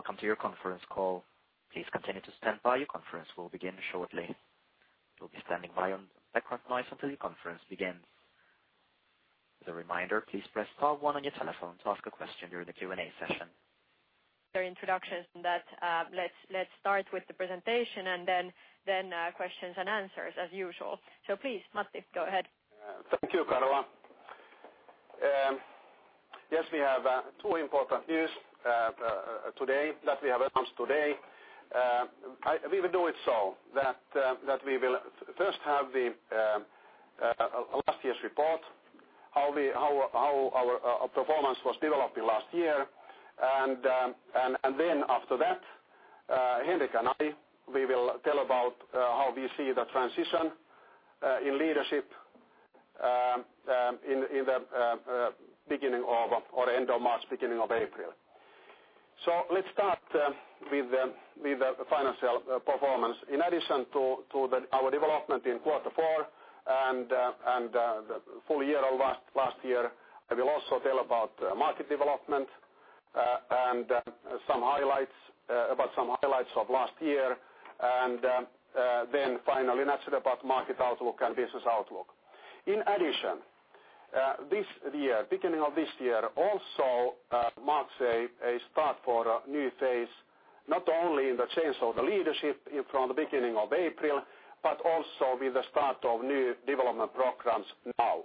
Welcome to your conference call. Please continue to stand by. Your conference will begin shortly. You'll be standing by on background noise until your conference begins. As a reminder, please press star one on your telephone to ask a question during the Q&A session. Let's start with the presentation, then questions and answers as usual. Please, Matti, go ahead. Thank you, Karla. Yes, we have two important news that we have announced today. We will do it so that we will first have last year's report, how our performance was developing last year, then after that, Henrik and I will tell about how we see the transition in leadership at the end of March, beginning of April. Let's start with the financial performance. In addition to our development in quarter four and the full year of last year, I will also tell about market development, about some highlights of last year, then finally, naturally, about market outlook and business outlook. In addition, beginning of this year also marks a start for a new phase, not only in the change of the leadership from the beginning of April, also with the start of new development programs now.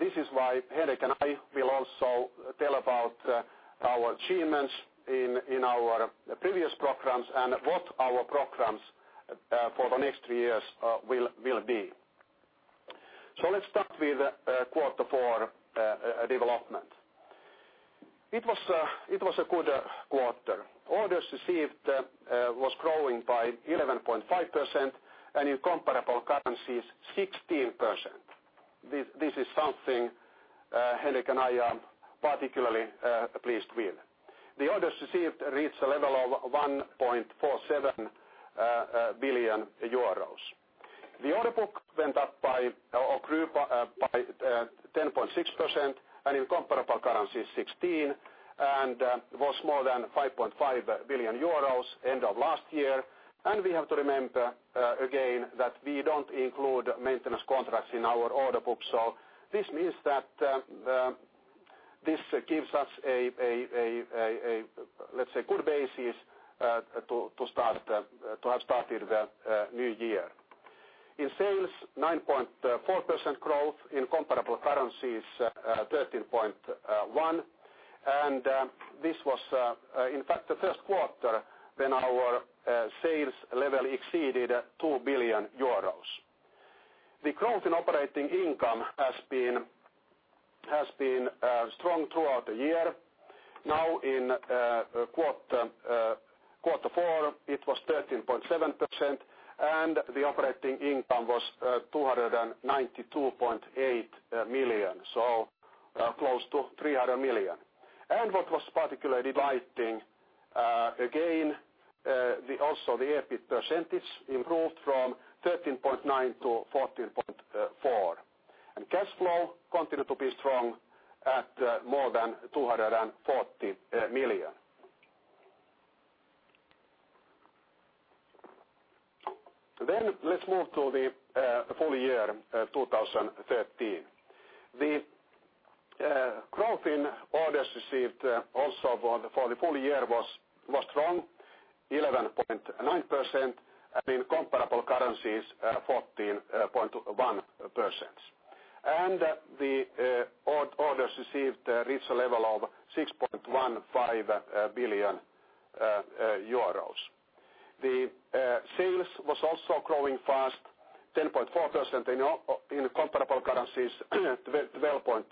This is why Henrik and I will also tell about our achievements in our previous programs and what our programs for the next three years will be. Let's start with quarter four development. It was a good quarter. Orders received was growing by 11.5%, in comparable currencies, 16%. This is something Henrik and I are particularly pleased with. The orders received reached a level of 1.47 billion euros. The order book grew by 10.6%, in comparable currency, 16%, and was more than 5.5 billion euros end of last year. We have to remember again that we don't include maintenance contracts in our order book. This means that this gives us a, let's say, good basis to have started the new year. In sales, 9.4% growth. In comparable currencies, 13.1%. This was, in fact, the first quarter when our sales level exceeded 2 billion euros. The growth in operating income has been strong throughout the year. In quarter four, it was 13.7%, and the operating income was 292.8 million, so close to 300 million. What was particularly delighting, again, also the EBIT percentage improved from 13.9%-14.4%. Cash flow continued to be strong at more than 240 million. Let's move to the full year 2013. The growth in orders received also for the full year was strong, 11.9%, and in comparable currencies, 14.1%. The orders received reached a level of 6.15 billion euros. Sales was also growing fast, 10.4%, in comparable currencies, 12.6%,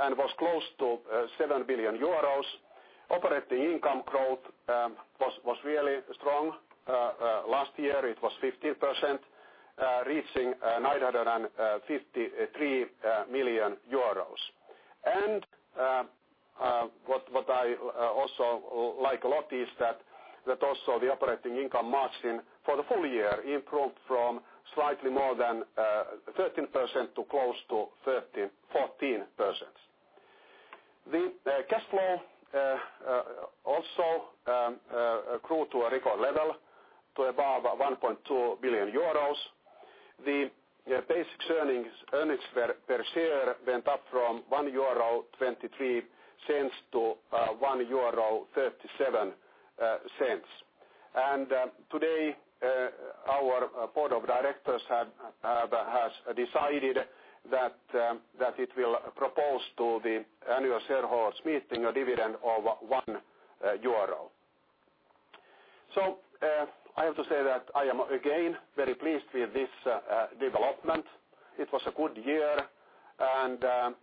and was close to 7 billion euros. Operating income growth was really strong. Last year it was 15%, reaching 953 million euros. What I also like a lot is that also the operating income margin for the full year improved from slightly more than 13%-14%. The cash flow also grew to a record level, to above 1.2 billion euros. The basic earnings per share went up from 1.23 euro to 1.37 euro. Today our board of directors has decided that it will propose to the annual shareholders meeting a dividend of 1 euro. I have to say that I am again very pleased with this development. It was a good year, and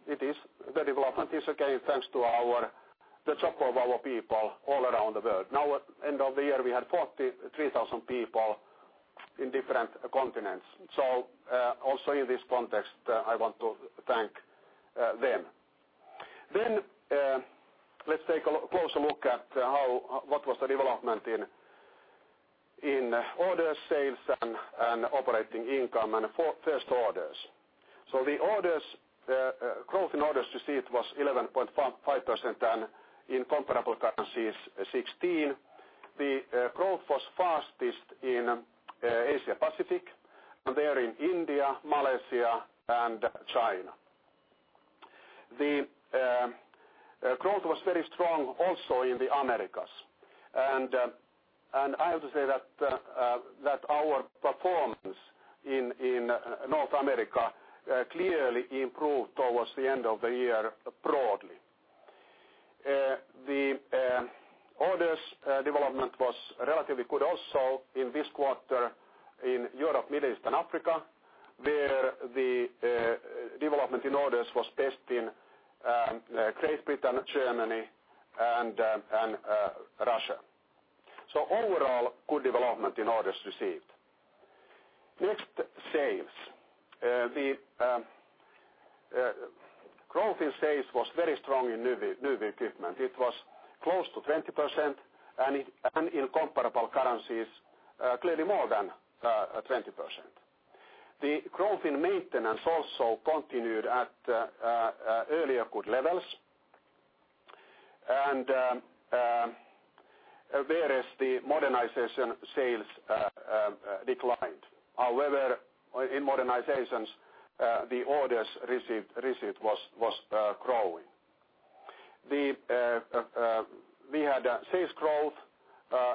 the development is again thanks to the job of our people all around the world. At end of the year, we had 43,000 people in different continents. Also in this context, I want to thank them. Let's take a closer look at what was the development in orders, sales, and operating income, and first orders. The growth in orders received was 11.5%, and in comparable currencies, 16%. The growth was fastest in Asia Pacific, there in India, Malaysia, and China. The growth was very strong also in the Americas. I have to say that our performance in North America clearly improved towards the end of the year broadly. The orders development was relatively good also in this quarter in Europe, Middle East, and Africa, where the development in orders was best in Great Britain, Germany, and Russia. Overall, good development in orders received. Next, sales. The growth in sales was very strong in new equipment. It was close to 20%, and in comparable currencies, clearly more than 20%. The growth in maintenance also continued at earlier good levels, whereas the modernization sales declined. However, in modernizations, the orders received was growing. We had sales growth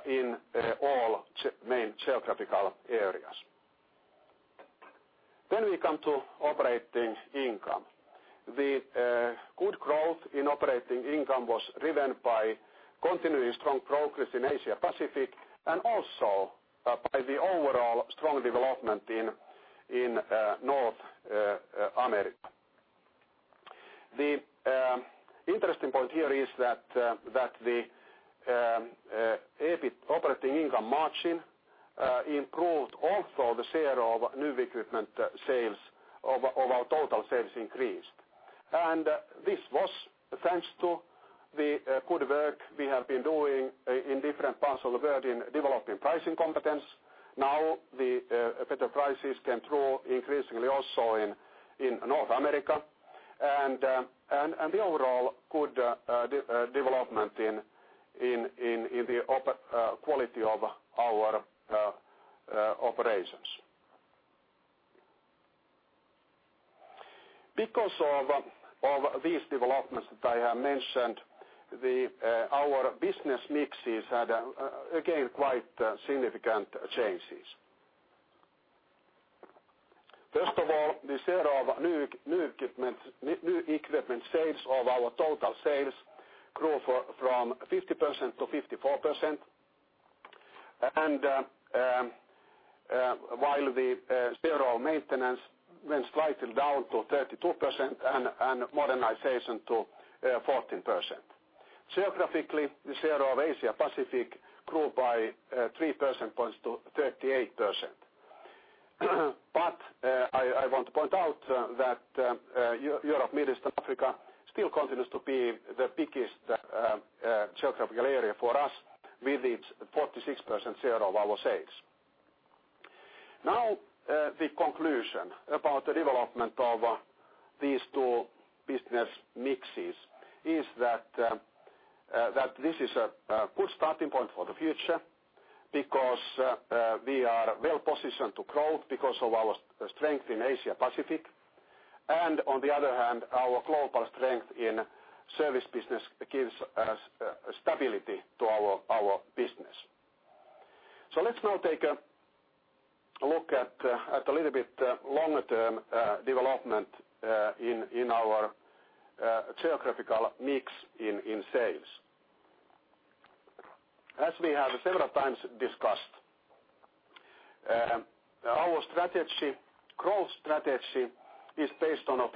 in all main geographical areas. We come to operating income. The good growth in operating income was driven by continually strong progress in Asia Pacific and also by the overall strong development in North America. The interesting point here is that the operating income margin improved also the share of new equipment sales of our total sales increased. This was thanks to the good work we have been doing in different parts of the world in developing pricing competence. The better prices can grow increasingly also in North America, and the overall good development in the quality of our operations. Because of these developments that I have mentioned, our business mixes had, again, quite significant changes. First of all, the share of new equipment sales of our total sales grew from 50% to 54%. While the share of maintenance went slightly down to 32% and modernization to 14%. Geographically, the share of Asia Pacific grew by 3 percentage points to 38%. I want to point out that Europe, Middle East, and Africa still continues to be the biggest geographical area for us with its 46% share of our sales. The conclusion about the development of these two business mixes is that this is a good starting point for the future, because we are well-positioned to grow because of our strength in Asia Pacific. On the other hand, our global strength in service business gives us stability to our business. Let's now take a look at a little bit longer-term development in our geographical mix in sales. As we have several times discussed, our growth strategy is based on a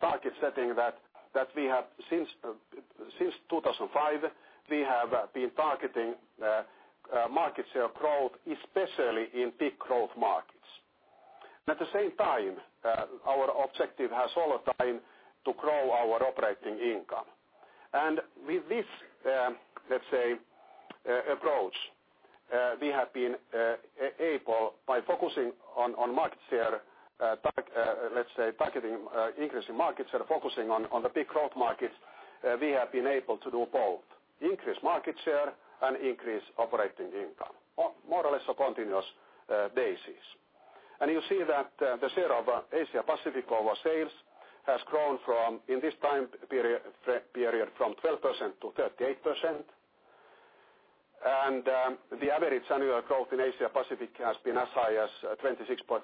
target setting that since 2005, we have been targeting market share growth, especially in big growth markets. At the same time, our objective has all the time to grow our operating income. With this approach, by focusing on market share, let's say increasing market share, focusing on the big growth markets, we have been able to do both increase market share and increase operating income, more or less a continuous basis. You see that the share of Asia Pacific of our sales has grown from, in this time period, from 12% to 38%. The average annual growth in Asia Pacific has been as high as 26.9%.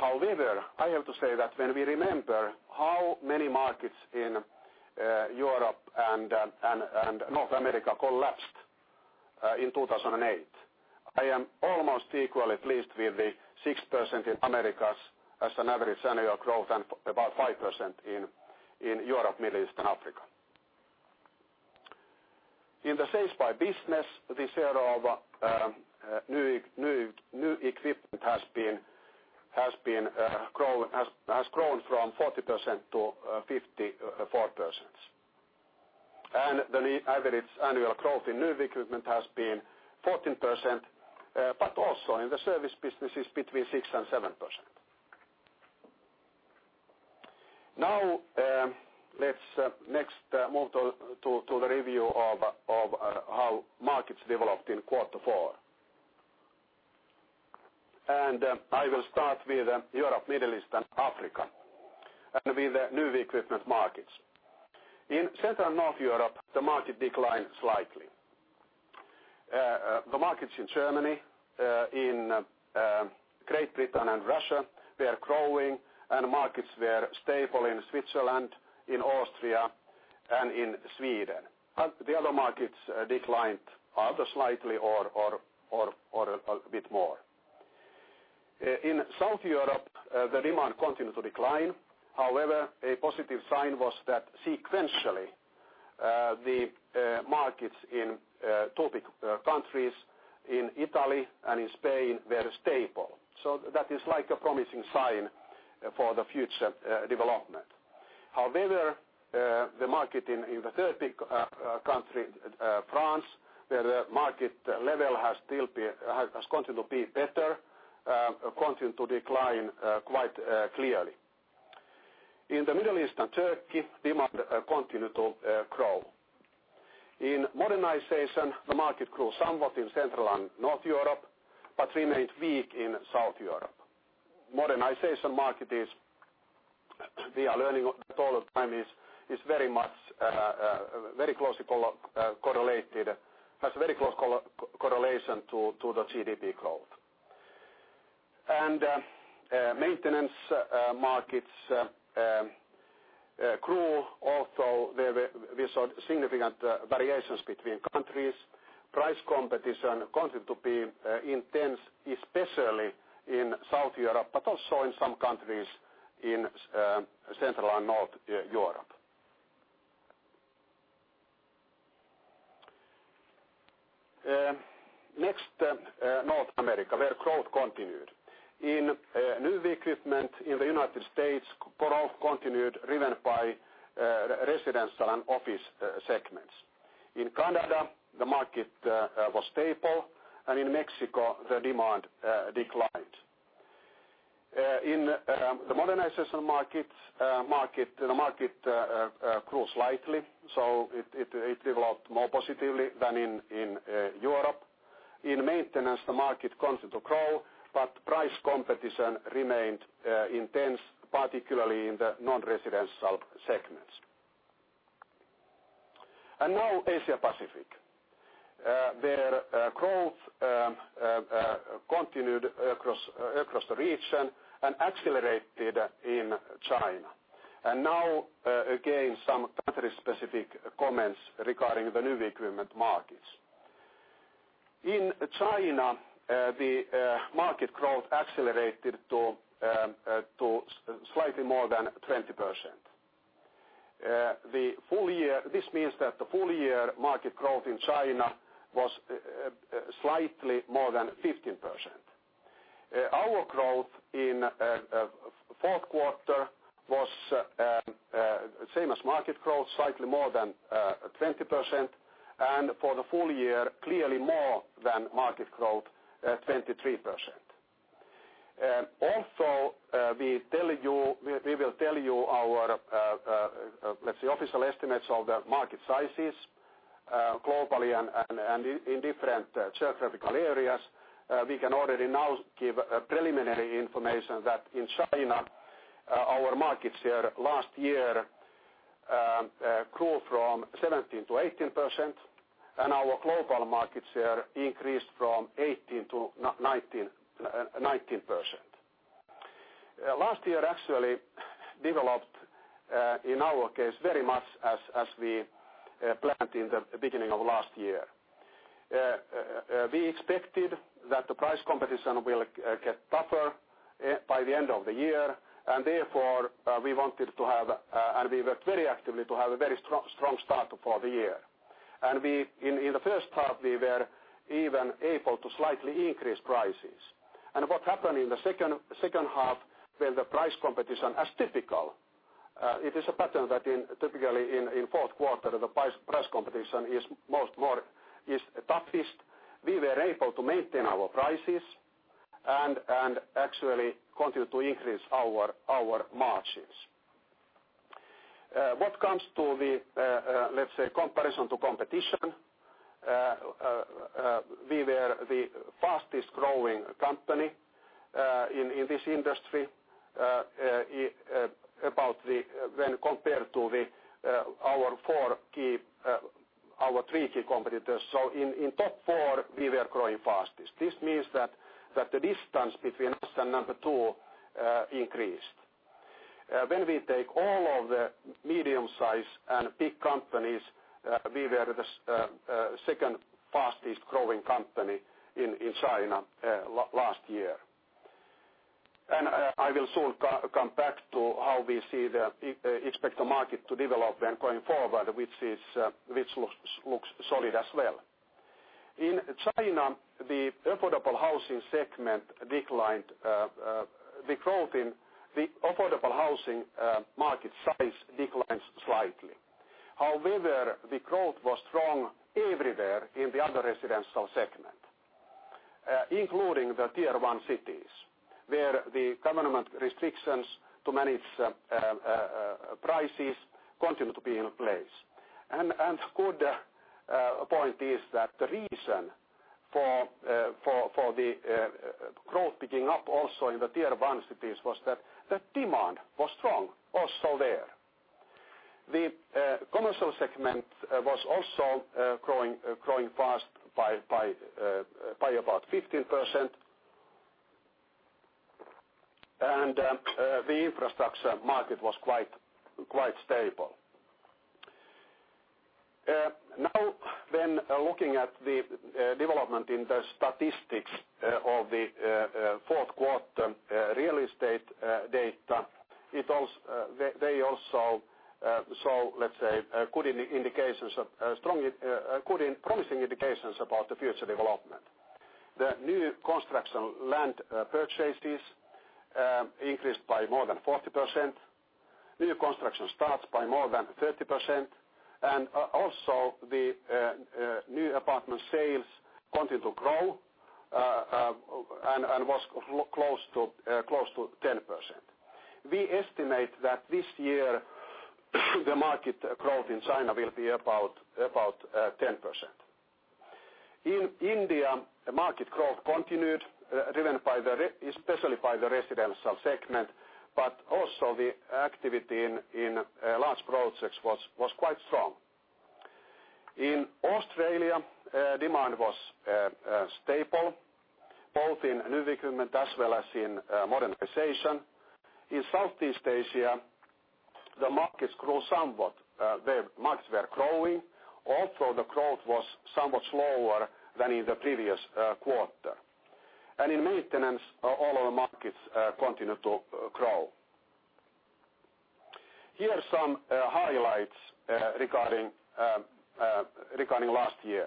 However, I have to say that when we remember how many markets in Europe and North America collapsed in 2008, I am almost equally pleased with the 6% in Americas as an average annual growth and about 5% in Europe, Middle East, and Africa. In the sales by business, the share of new equipment has grown from 40% to 54%. The average annual growth in new equipment has been 14%, but also in the service business is between 6% and 7%. Let's next move to the review of how markets developed in quarter four. I will start with Europe, Middle East and Africa, and with the new equipment markets. In Central and North Europe, the market declined slightly. The markets in Germany, in Great Britain and Russia, were growing, and markets were stable in Switzerland, in Austria and in Sweden. The other markets declined either slightly or a bit more. In South Europe, the demand continued to decline. However, a positive sign was that sequentially, the markets in top countries, in Italy and in Spain, were stable. That is a promising sign for the future development. However, the market in the third big country, France, where market level has continued to be better, continued to decline quite clearly. In the Middle East and Turkey, demand continued to grow. In modernization, the market grew somewhat in Central and North Europe, but remained weak in South Europe. Modernization market is, we are learning all the time, has a very close correlation to the GDP growth. Maintenance markets grew, although we saw significant variations between countries. Price competition continued to be intense, especially in South Europe, but also in some countries in Central and North Europe. North America, where growth continued. In new equipment in the U.S., growth continued driven by residential and office segments. In Canada, the market was stable. In Mexico, the demand declined. In the modernization market, the market grew slightly. It developed more positively than in Europe. In maintenance, the market continued to grow, but price competition remained intense, particularly in the non-residential segments. Asia Pacific, where growth continued across the region and accelerated in China. Again, some country-specific comments regarding the new equipment markets. In China, the market growth accelerated to slightly more than 20%. This means that the full year market growth in China was slightly more than 15%. Our growth in fourth quarter was same as market growth, slightly more than 20%, and for the full year, clearly more than market growth at 23%. We will tell you our, let's say, official estimates of the market sizes globally and in different geographical areas. We can already now give preliminary information that in China our market share last year grew from 17% to 18%, and our global market share increased from 18% to 19%. Last year actually developed, in our case, very much as we planned in the beginning of last year. We expected that the price competition will get tougher by the end of the year. Therefore, we worked very actively to have a very strong start for the year. In the first half, we were even able to slightly increase prices. What happened in the second half, where the price competition, as typical it is a pattern that typically in fourth quarter, the price competition is toughest. We were able to maintain our prices actually continued to increase our margins. What comes to the, let's say, comparison to competition we were the fastest growing company in this industry when compared to our three key competitors. In top 4, we were growing fastest. This means that the distance between us and number 2 increased. When we take all of the medium size and big companies, we were the second fastest growing company in China last year. I will soon come back to how we expect the market to develop and going forward, which looks solid as well. In China, the affordable housing market size declined slightly. However, the growth was strong everywhere in the other residential segment including the Tier 1 cities, where the government restrictions to manage prices continue to be in place. Good point is that the reason for the growth picking up also in the Tier 1 cities was that the demand was strong also there. The commercial segment was also growing fast by about 15%. The infrastructure market was quite stable. Looking at the development in the statistics of the fourth quarter real estate data, they also show promising indications about the future development. The new construction land purchases increased by more than 40%, new construction starts by more than 30%. Also, the new apartment sales continued to grow and was close to 10%. We estimate that this year the market growth in China will be about 10%. In India, the market growth continued, driven especially by the residential segment, also the activity in large projects was quite strong. In Australia, demand was stable both in new equipment as well as in modernization. In Southeast Asia, the markets grew somewhat. Markets were growing. Also, the growth was somewhat slower than in the previous quarter. In maintenance, all our markets continue to grow. Here are some highlights regarding last year.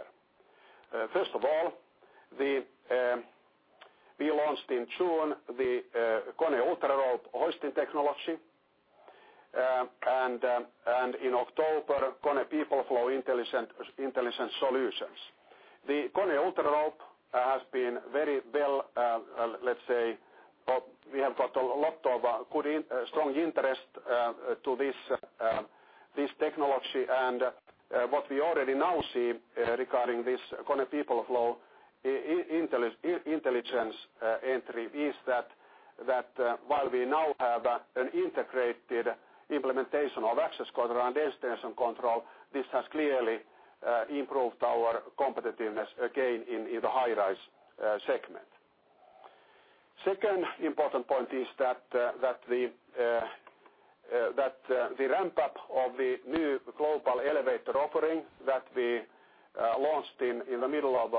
First of all, we launched in June the KONE UltraRope hoisting technology and in October, KONE People Flow Intelligence solutions. The KONE UltraRope, we have got a lot of strong interest to this technology. What we already now see regarding this KONE People Flow Intelligence entry is that while we now have an integrated implementation of access control and destination control, this has clearly improved our competitiveness again in the high-rise segment. Second important point is that the ramp-up of the new global elevator offering that we launched in the middle of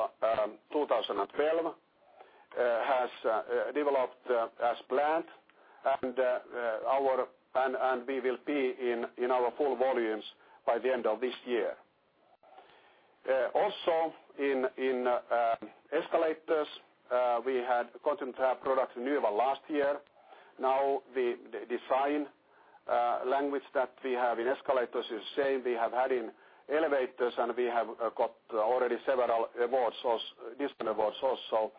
2012 has developed as planned, and we will be in our full volumes by the end of this year. In escalators we had continued to have product renewal last year. Now the design language that we have in escalators is same we have had in elevators, and we have got already several design awards also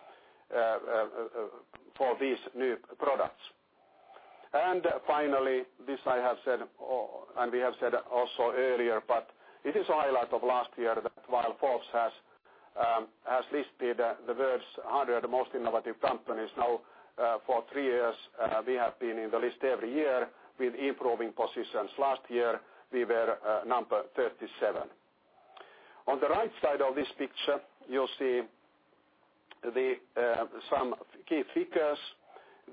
for these new products. Finally, this I have said and we have said also earlier, but it is a highlight of last year that while Forbes has listed the world's 100 Most Innovative Companies now for three years, we have been in the list every year with improving positions. Last year we were number 37. On the right side of this picture, you'll see some key figures.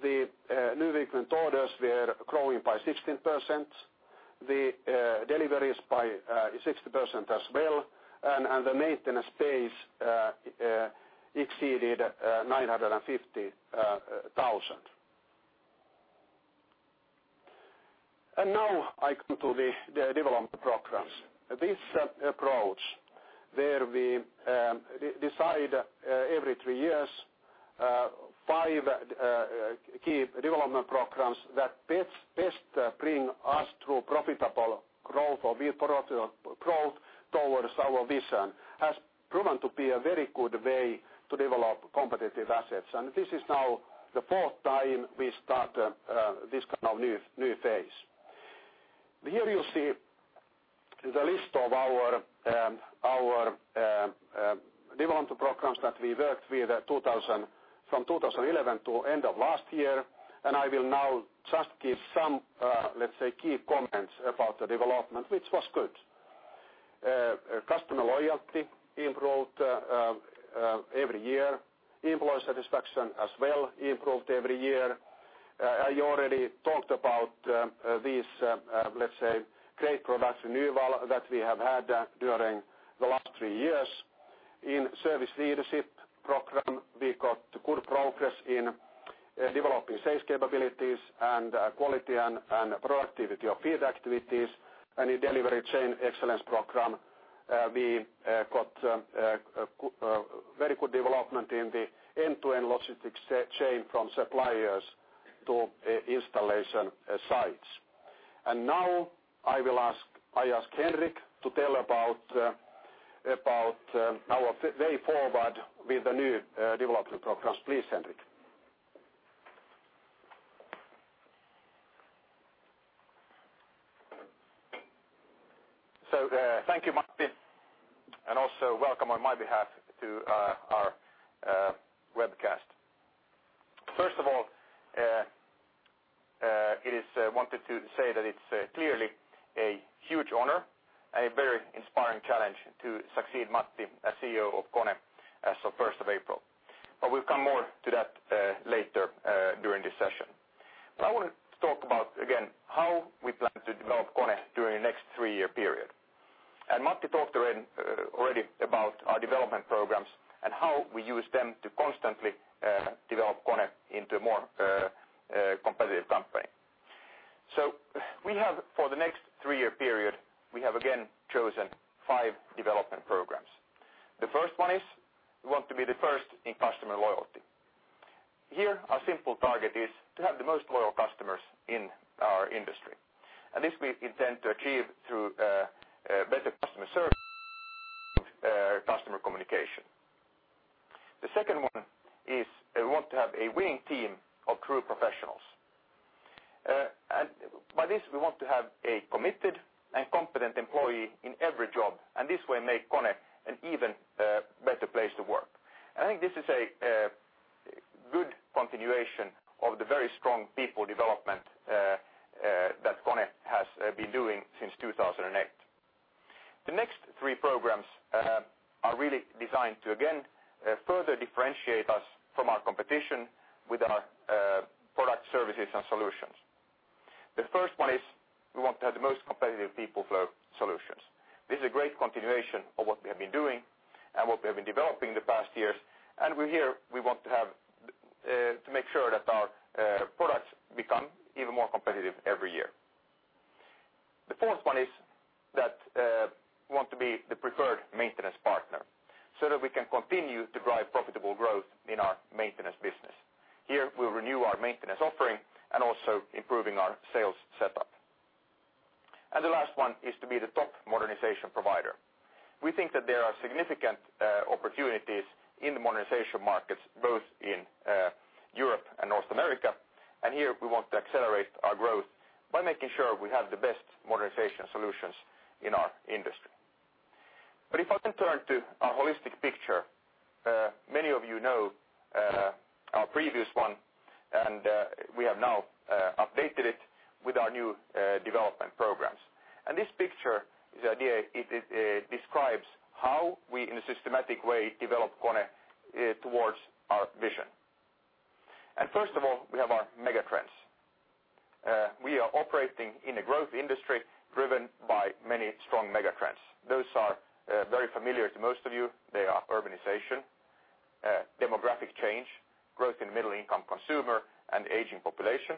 The new equipment orders were growing by 16%, the deliveries by 60% as well, and the maintenance base exceeded 950,000. Now I come to the development programs. This approach where we decide every three years five key development programs that best bring us to profitable growth or growth towards our vision has proven to be a very good way to develop competitive assets. This is now the fourth time we start this kind of new phase. Here you see the list of our development programs that we worked with from 2011 to end of last year. I will now just give some key comments about the development, which was good. Customer loyalty improved every year. Employee satisfaction as well improved every year. I already talked about these great product renewal that we have had during the last three years. In Service Leadership Program, we got good progress in Developing sales capabilities and quality and productivity of field activities and a Delivery Chain Excellence Program. We got very good development in the end-to-end logistics chain from suppliers to installation sites. Now I ask Henrik to tell about our way forward with the new development programs. Please, Henrik. Thank you, Matti, and also welcome on my behalf to our webcast. First of all, I wanted to say that it's clearly a huge honor and a very inspiring challenge to succeed Matti as CEO of KONE as of 1st of April. We'll come more to that later during this session. I want to talk about, again, how we plan to develop KONE during the next three-year period. Matti talked already about our development programs and how we use them to constantly develop KONE into a more competitive company. For the next three-year period, we have again chosen five development programs. The first one is we want to be the first in customer loyalty. Here, our simple target is to have the most loyal customers in our industry, and this we intend to achieve through better customer service and customer communication. The second one is we want to have a winning team of true professionals. By this, we want to have a committed and competent employee in every job, and this will make KONE an even better place to work. I think this is a good continuation of the very strong people development that KONE has been doing since 2008. The next three programs are really designed to, again, further differentiate us from our competition with our product services and solutions. The first one is we want to have the most competitive people flow solutions. This is a great continuation of what we have been doing and what we have been developing the past years. Here, we want to make sure that our products become even more competitive every year. The fourth one is that we want to be the preferred maintenance partner so that we can continue to drive profitable growth in our maintenance business. Here, we renew our maintenance offering and also improving our sales setup. The last one is to be the top modernization provider. We think that there are significant opportunities in the modernization markets, both in Europe and North America. Here we want to accelerate our growth by making sure we have the best modernization solutions in our industry. If I then turn to our holistic picture, many of you know our previous one, we have now updated it with our new development programs. This picture describes how we, in a systematic way, develop KONE towards our vision. First of all, we have our megatrends. We are operating in a growth industry driven by many strong megatrends. Those are very familiar to most of you. They are urbanization, demographic change, growth in middle income consumer, and aging population.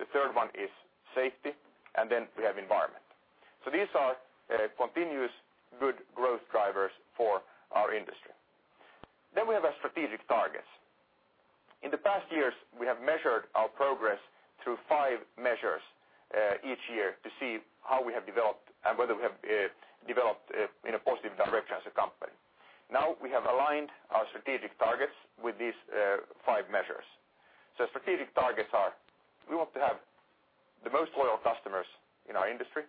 The third one is safety, we have environment. These are continuous good growth drivers for our industry. We have our strategic targets. In the past years, we have measured our progress through five measures each year to see how we have developed and whether we have developed in a positive direction as a company. Now we have aligned our strategic targets with these five measures. Strategic targets are we want to have the most loyal customers in our industry,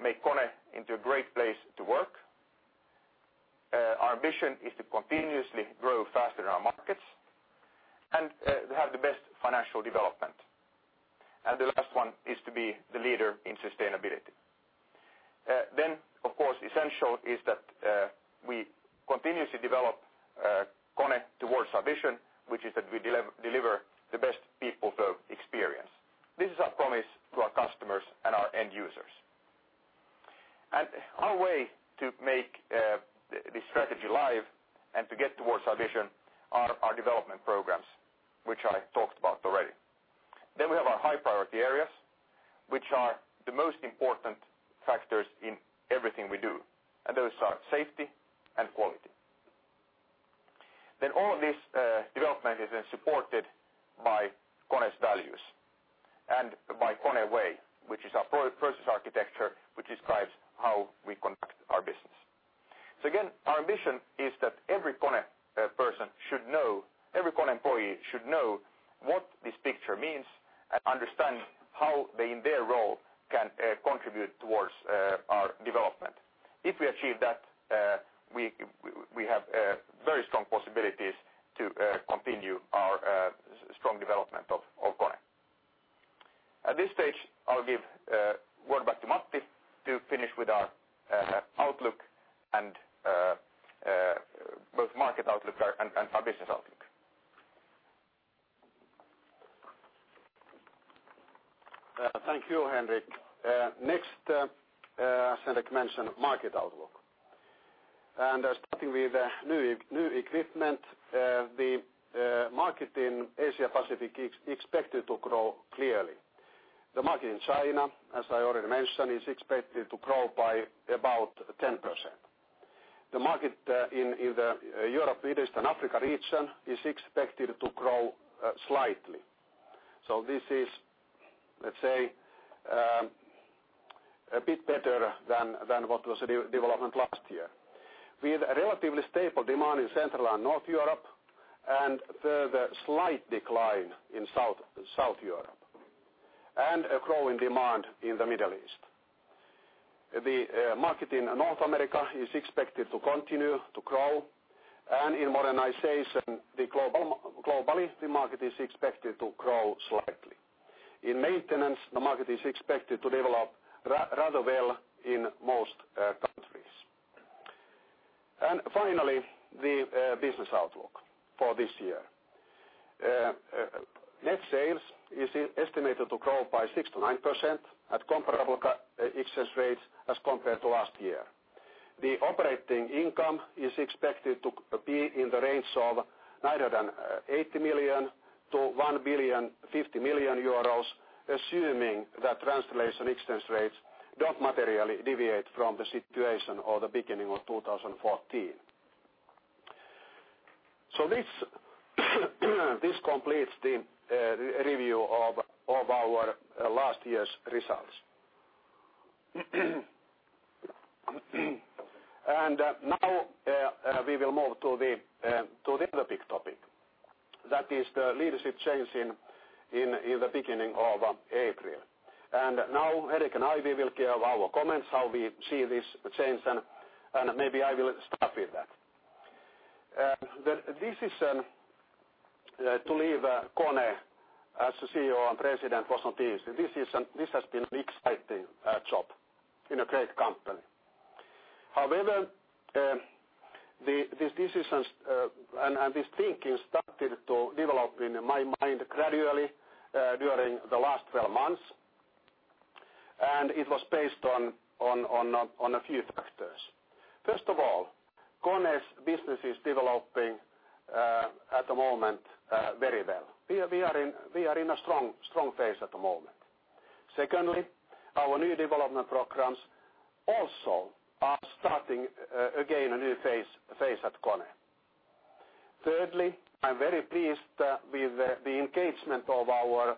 make KONE into a great place to work. Our ambition is to continuously grow faster in our markets and have the best financial development. The last one is to be the leader in sustainability. Of course, essential is that we continuously develop KONE towards our vision, which is that we deliver the best People Flow experience. This is our promise to our customers and our end users. Our way to make this strategy live and to get towards our vision are our development programs, which I talked about already. We have our high priority areas, which are the most important factors in everything we do, and those are safety and quality. All of this development is then supported by KONE's values and by KONE Way, which is our process architecture, which describes how we conduct our business. Again, our ambition is that every KONE person should know, every KONE employee should know what this picture means and understand how they, in their role, can contribute towards our development. If we achieve that, we have very strong possibilities to continue our strong development of KONE. At this stage, I'll give word back to Matti to finish with our outlook and both market outlook and our business outlook. Thank you, Henrik. As Henrik mentioned, market outlook. Starting with new equipment, the market in Asia Pacific is expected to grow clearly. The market in China, as I already mentioned, is expected to grow by about 10%. The market in the Europe, Middle East, and Africa region is expected to grow slightly. This is, let's say, a bit better than what was the development last year. With relatively stable demand in Central and North Europe and further slight decline in South Europe, and a growing demand in the Middle East. The market in North America is expected to continue to grow, and in modernization, globally, the market is expected to grow slightly. In maintenance, the market is expected to develop rather well in most countries. Finally, the business outlook for this year. Net sales is estimated to grow by 6%-9% at comparable exchange rates as compared to last year. The operating income is expected to be in the range of 980 million-1 billion 50 million, assuming that translation exchange rates don't materially deviate from the situation or the beginning of 2014. This completes the review of our last year's results. Now we will move to the other big topic. That is the leadership change in the beginning of April. Now, Henrik and I, we will give our comments how we see this change, and maybe I will start with that. The decision to leave KONE as CEO and President was not easy. This has been an exciting job in a great company. However, this decision and this thinking started to develop in my mind gradually during the last 12 months, and it was based on a few factors. First of all, KONE's business is developing at the moment very well. We are in a strong phase at the moment. Secondly, our new development programs also are starting again, a new phase at KONE. Thirdly, I am very pleased with the engagement of our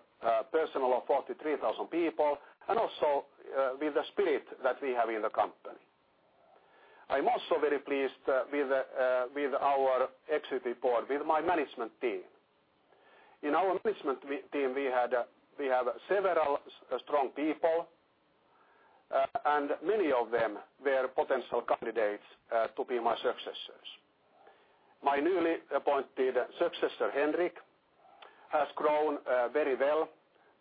personnel 43,000 people and also with the spirit that we have in the company. I am also very pleased with our executive board, with my management team. In our management team, we have several strong people, and many of them were potential candidates to be my successors. My newly appointed successor, Henrik, has grown very well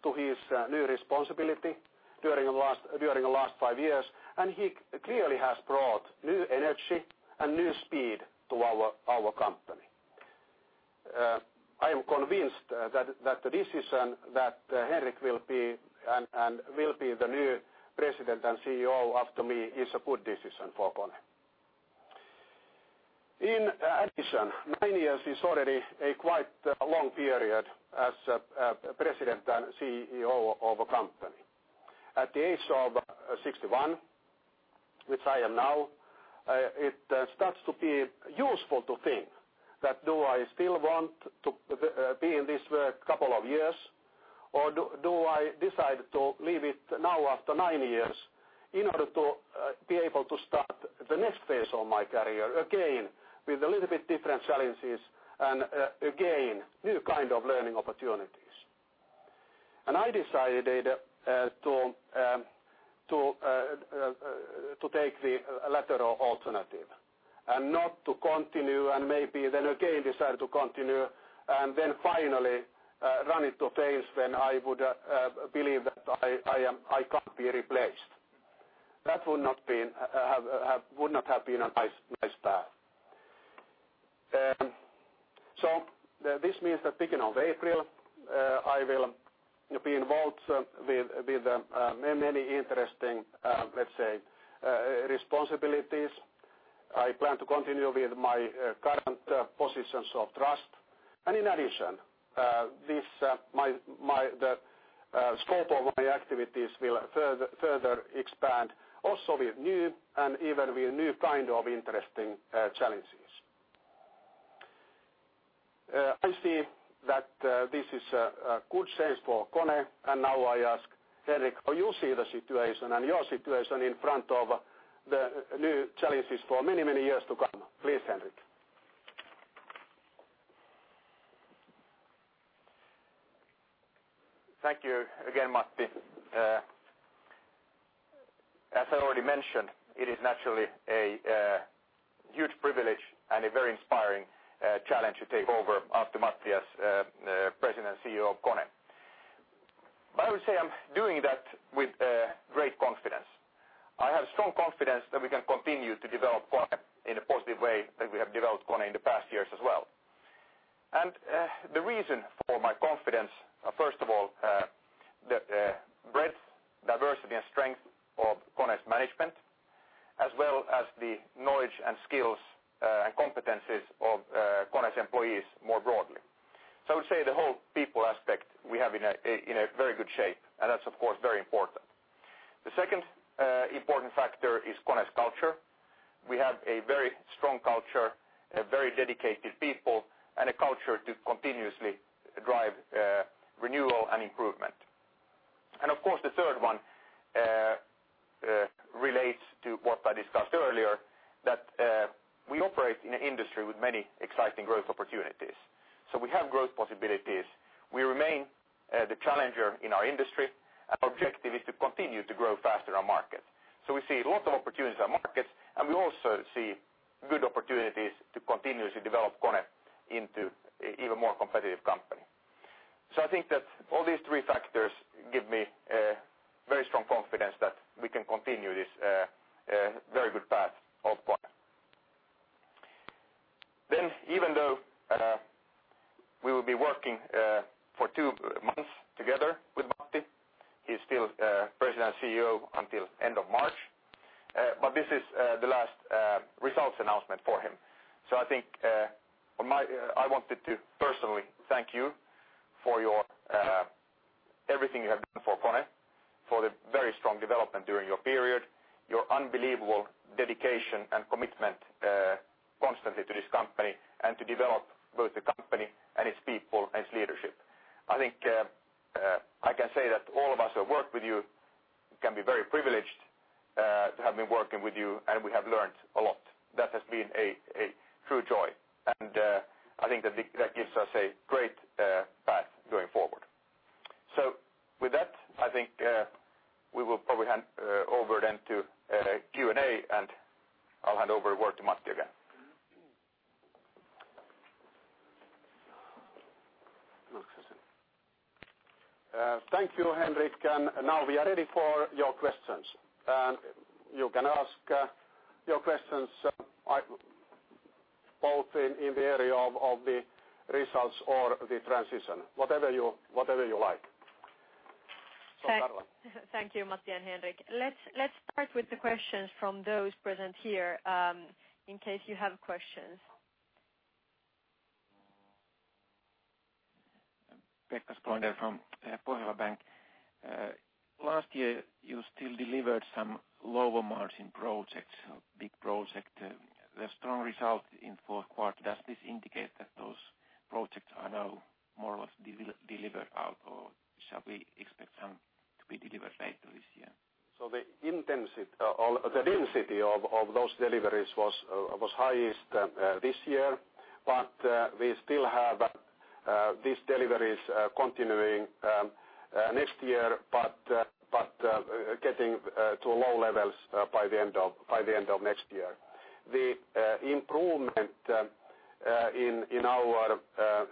to his new responsibility during the last five years, and he clearly has brought new energy and new speed to our company. I am convinced that the decision that Henrik will be the new President and CEO after me is a good decision for KONE. In addition, nine years is already a quite long period as President and CEO of a company. At the age of 61, which I am now, it starts to be useful to think that, do I still want to be in this work couple of years, or do I decide to leave it now after nine years in order to be able to start the next phase of my career again with a little bit different challenges and again, new kind of learning opportunities? I decided to take the latter alternative and not to continue and maybe then again decide to continue and then finally run into phase when I would believe that I can't be replaced. That would not have been a nice path. This means that beginning of April, I will be involved with many interesting, let's say, responsibilities. I plan to continue with my current positions of trust. In addition, the scope of my activities will further expand also with new and even with new kind of interesting challenges. I see that this is a good change for KONE. Now I ask Henrik, how you see the situation and your situation in front of the new challenges for many years to come. Please, Henrik. Thank you again, Matti. As I already mentioned, it is naturally a huge privilege and a very inspiring challenge to take over after Matti as President and CEO of KONE. But I would say I am doing that with great confidence. Strong confidence that we can continue to develop KONE in a positive way that we have developed KONE in the past years as well. The reason for my confidence, first of all, the breadth, diversity, and strength of KONE's management, as well as the knowledge and skills and competencies of KONE's employees more broadly. I would say the whole people aspect we have in a very good shape, and that's of course very important. The second important factor is KONE's culture. We have a very strong culture, very dedicated people, and a culture to continuously drive renewal and improvement. Of course, the third one relates to what I discussed earlier, that we operate in an industry with many exciting growth opportunities. We have growth possibilities. We remain the challenger in our industry. Our objective is to continue to grow faster than our market. We see lots of opportunities in our markets, and we also see good opportunities to continuously develop KONE into even more competitive company. I think that all these three factors give me very strong confidence that we can continue this very good path of KONE. Even though we will be working for two months together with Matti, he's still President CEO until end of March. This is the last results announcement for him. I think I wanted to personally thank you for everything you have done for KONE, for the very strong development during your period, your unbelievable dedication and commitment constantly to this company and to develop both the company and its people and its leadership. I think I can say that all of us who work with you can be very privileged to have been working with you, and we have learnt a lot. That has been a true joy, and I think that gives us a great path going forward. With that, I think we will probably hand over then to Q&A, and I'll hand over word to Matti again. Thank you, Henrik. Now we are ready for your questions. You can ask your questions both in the area of the results or the transition, whatever you like. Karla. Thank you, Matti and Henrik. Let's start with the questions from those present here, in case you have questions. Pekka Spolander from Pohjola Bank. Last year, you still delivered some lower margin projects, big project. The strong result in fourth quarter, does this indicate that those projects are now more or less delivered out or shall we expect some to be delivered later this year? The density of those deliveries was highest this year, we still have these deliveries continuing next year but getting to low levels by the end of next year. The improvement in our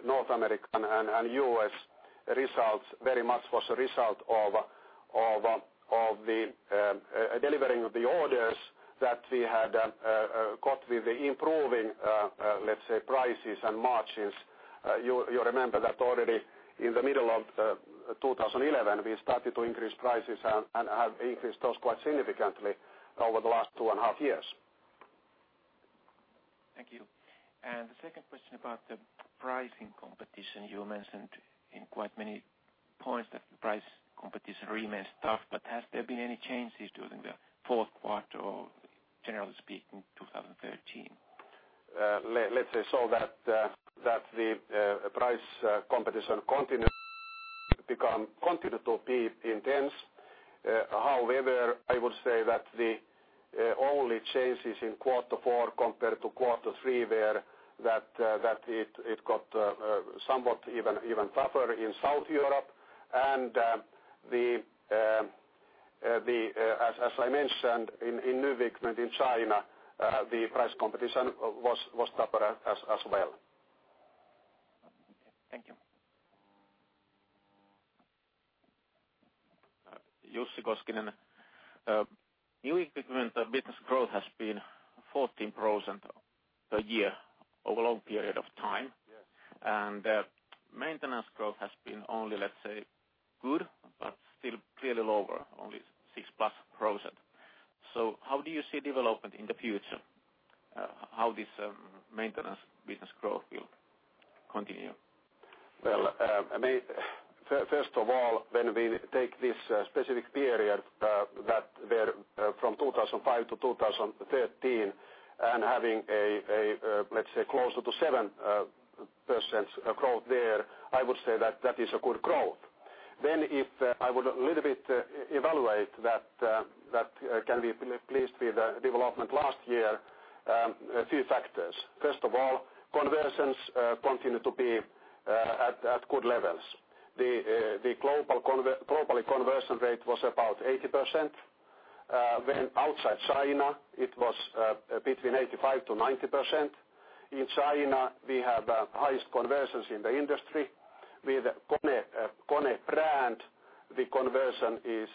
North American and U.S. results very much was a result of the delivering of the orders that we had got with the improving, let's say, prices and margins. You remember that already in the middle of 2011, we started to increase prices and have increased those quite significantly over the last two and a half years. Thank you. The second question about the pricing competition. You mentioned in quite many points that the price competition remains tough, has there been any changes during the fourth quarter or generally speaking, 2013? Let's say so that the price competition continue to be intense. However, I would say that the only changes in quarter four compared to quarter three were that it got somewhat even tougher in South Europe and as I mentioned, in new equipment in China, the price competition was tougher as well. Okay. Thank you. Jussi Koskinen. New equipment business growth has been 14% a year over a long period of time. Yes. Maintenance growth has been only, let's say, good, but still clearly lower, only 6% plus. How do you see development in the future? How this maintenance business growth will continue? First of all, when we take this specific period from 2005 to 2013 and having a, let's say, closer to 7% growth there, I would say that that is a good growth. If I would a little bit evaluate that can be pleased with the development last year, a few factors. First of all, conversions continue to be at good levels. The globally conversion rate was about 80%. When outside China, it was between 85%-90%. In China, we have the highest conversions in the industry. With KONE brand, the conversion is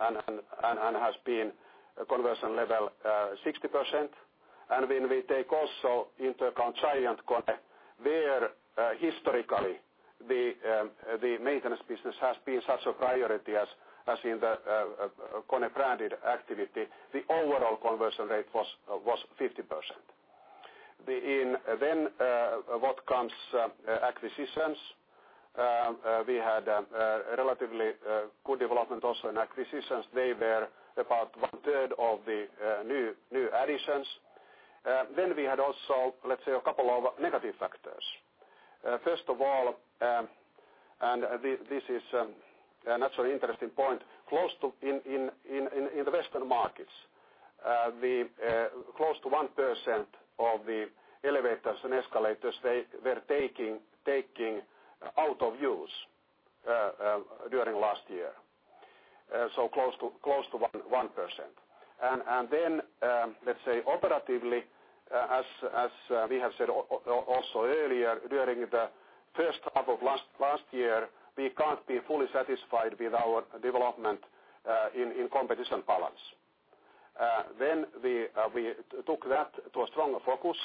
and has been conversion level 60%. When we take also into account Giant KONE, where historically the maintenance business has been such a priority as in the KONE branded activity, the overall conversion rate was 50%. What comes acquisitions, we had a relatively good development also in acquisitions. They were about one-third of the new additions. We had also, let's say, a couple of negative factors. First of all, this is an interesting point. In the Western markets, close to 1% of the elevators and escalators were taken out of use during last year. Close to 1%. Operatively as we have said also earlier, during the first half of last year, we can't be fully satisfied with our development in competition balance. We took that to a stronger focus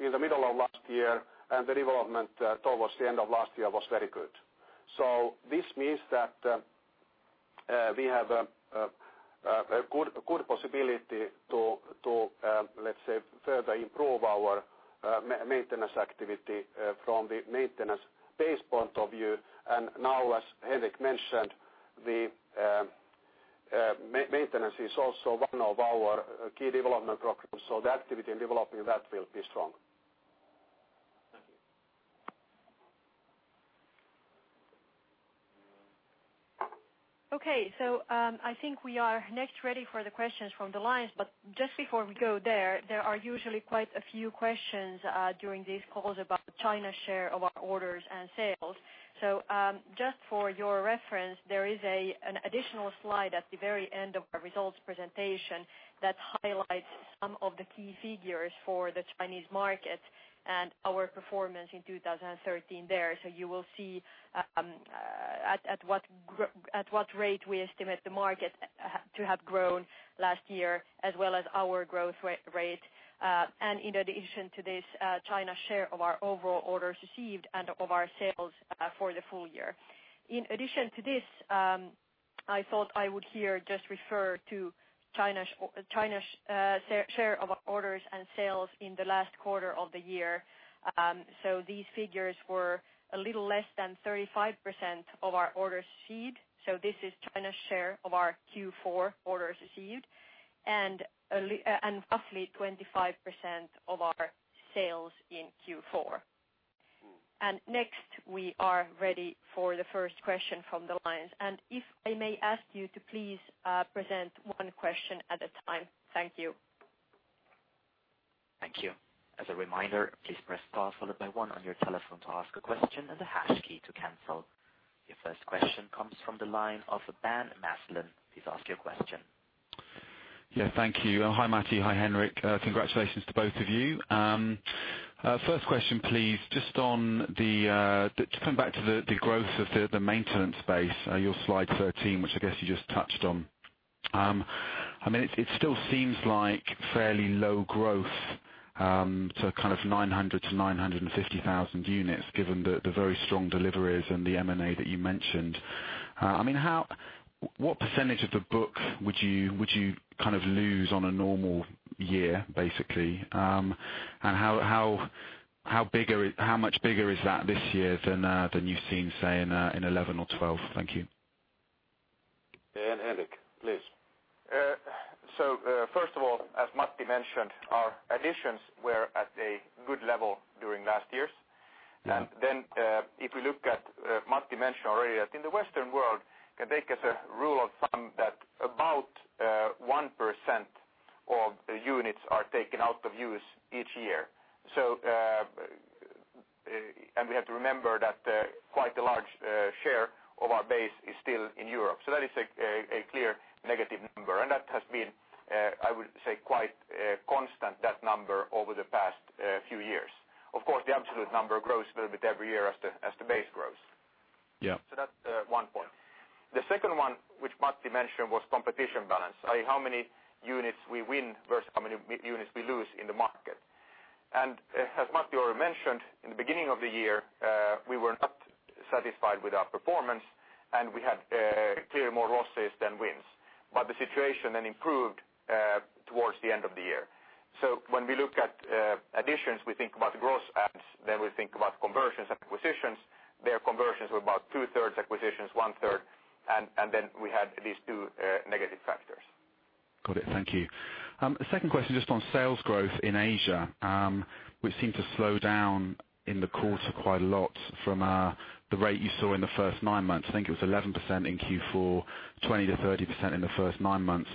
in the middle of last year, and the development towards the end of last year was very good. This means that we have a good possibility to let's say, further improve our maintenance activity from the maintenance base point of view. Now as Henrik mentioned, the maintenance is also one of our key development programs. The activity in developing that will be strong. Thank you. Okay. I think we are next ready for the questions from the lines. Just before we go there are usually quite a few questions during these calls about China's share of our orders and sales. Just for your reference, there is an additional slide at the very end of our results presentation that highlights some of the key figures for the Chinese market and our performance in 2013 there. You will see at what rate we estimate the market to have grown last year as well as our growth rate. In addition to this, China's share of our overall orders received and of our sales for the full year. In addition to this, I thought I would here just refer to China's share of our orders and sales in the last quarter of the year. These figures were a little less than 35% of our orders received. This is China's share of our Q4 orders received and roughly 25% of our sales in Q4. Next, we are ready for the first question from the lines. If I may ask you to please present one question at a time. Thank you. Thank you. As a reminder, please press star followed by one on your telephone to ask a question and the hash key to cancel. Your first question comes from the line of Ben Maslen. Please ask your question. Thank you. Hi, Matti. Hi, Henrik. Congratulations to both of you. First question, please. Just coming back to the growth of the maintenance base, your slide 13, which I guess you just touched on. It still seems like fairly low growth to kind of 900,000-950,000 units given the very strong deliveries and the M&A that you mentioned. What % of the book would you lose on a normal year, basically? How much bigger is that this year than you've seen, say, in 2011 or 2012? Thank you. Henrik, please. First of all, as Matti mentioned, our additions were at a good level during last years. Yeah. If we look at, Matti mentioned already that in the Western world, can take as a rule of thumb that about 1% of units are taken out of use each year. We have to remember that quite a large share of our base is still in Europe. That is a clear negative number, and that has been I would say, quite constant that number over the past few years. Of course, the absolute number grows a little bit every year as the base grows. Yeah. That's one point. The second one, which Matti mentioned, was competition balance, i.e., how many units we win versus how many units we lose in the market. As Matti already mentioned, in the beginning of the year, we were not satisfied with our performance, and we had clearly more losses than wins. The situation then improved towards the end of the year. When we look at additions, we think about gross adds, then we think about conversions and acquisitions. There conversions were about two-thirds, acquisitions one-third. Then we had these two negative factors. Got it. Thank you. Second question, just on sales growth in Asia, which seemed to slow down in the quarter quite a lot from the rate you saw in the first nine months. I think it was 11% in Q4, 20%-30% in the first nine months.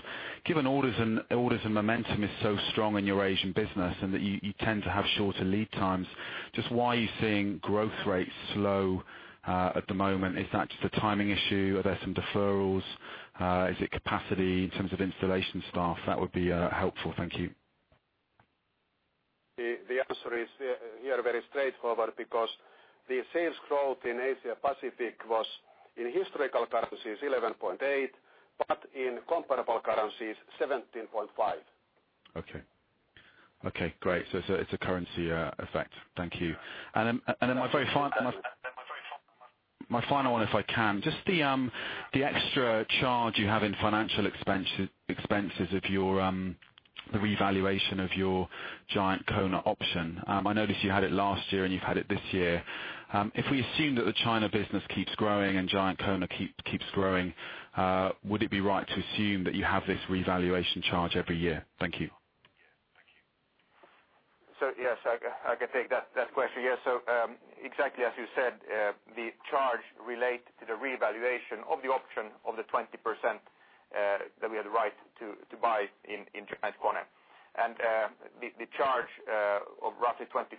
Given orders and momentum is so strong in your Asian business and that you tend to have shorter lead times, just why are you seeing growth rates slow at the moment? Is that just a timing issue? Are there some deferrals? Is it capacity in terms of installation staff? That would be helpful. Thank you. The answer is here very straightforward because the sales growth in Asia Pacific was in historical currencies, 11.8%, but in comparable currencies, 17.5%. Okay, great. It's a currency effect. Thank you. My final one, if I can, just the extra charge you have in financial expenses of the revaluation of your Giant KONE option. I noticed you had it last year and you've had it this year. If we assume that the China business keeps growing and Giant KONE keeps growing, would it be right to assume that you have this revaluation charge every year? Thank you. Yeah. Thank you. Yes, I can take that question. Exactly as you said, the charge relates to the revaluation of the option of the 20% that we had the right to buy in Giant KONE. The charge of roughly 23%,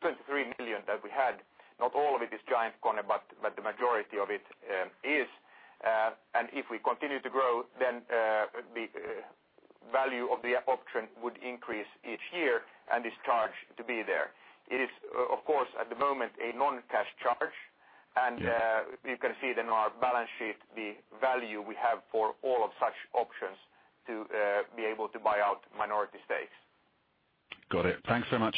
23 million that we had, not all of it is Giant KONE, but the majority of it is. If we continue to grow, then the value of the option would increase each year and this charge to be there. It is, of course, at the moment a non-cash charge. Yeah. You can see it in our balance sheet, the value we have for all of such options to be able to buy out minority stakes. Got it. Thanks so much.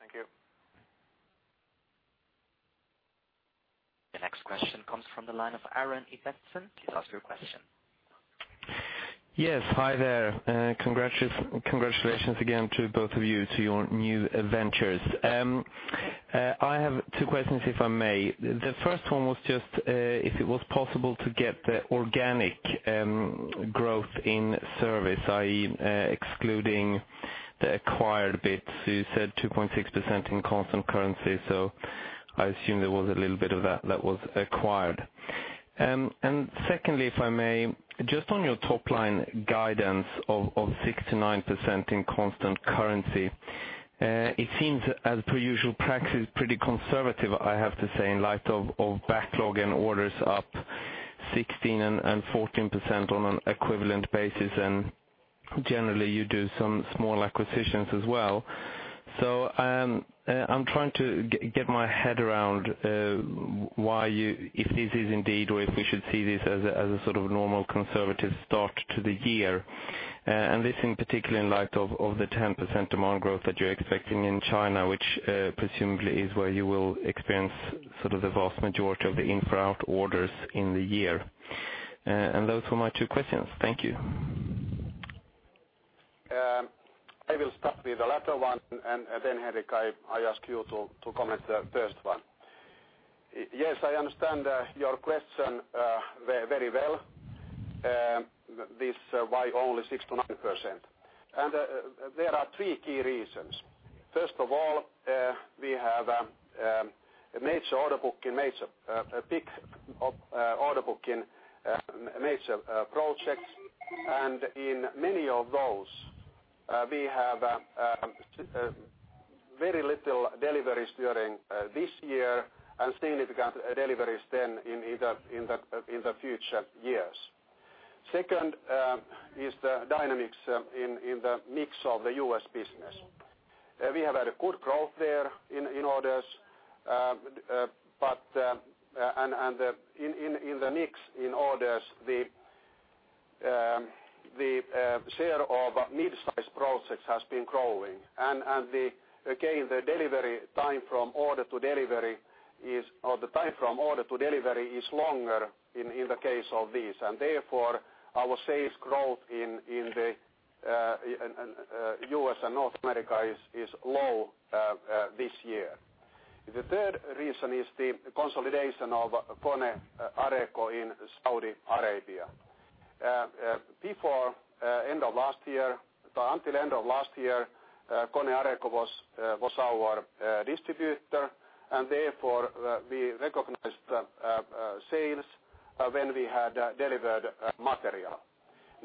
Thank you. The next question comes from the line of Aron Ektetson. Please ask your question. Yes, hi there. Congratulations again to both of you to your new ventures. I have two questions, if I may. The first one was just if it was possible to get the organic growth in service, i.e., excluding the acquired bits. You said 2.6% in constant currency, so I assume there was a little bit of that that was acquired. Secondly, if I may, just on your top line guidance of 6% to 9% in constant currency. It seems as per usual practice, pretty conservative, I have to say, in light of backlog and orders up 16% and 14% on an equivalent basis and generally you do some small acquisitions as well. I'm trying to get my head around why if this is indeed, or if we should see this as a sort of normal conservative start to the year? This in particular in light of the 10% demand growth that you're expecting in China, which presumably is where you will experience sort of the vast majority of the infra orders in the year. Those were my two questions. Thank you. I will start with the latter one and then Henrik, I ask you to comment the first one. Yes, I understand your question very well. This is why only 69%. There are three key reasons. First of all, we have a major order book in major projects and in many of those, we have very little deliveries during this year and significant deliveries then in the future years. Second is the dynamics in the mix of the U.S. business. We have had a good growth there in orders and in the mix in orders the share of mid-size projects has been growing. Again, the time from order to delivery is longer in the case of this. Therefore our sales growth in the U.S. and North America is low this year. The third reason is the consolidation of KONE Areeco in Saudi Arabia. Until end of last year KONE Areeco was our distributor and therefore we recognized sales when we had delivered material.